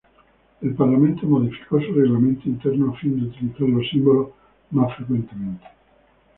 El Parlamento modificó su reglamento interno a fin de utilizar los símbolos más frecuentemente.